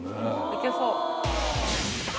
行けそう。